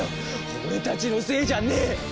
俺たちのせいじゃねえ！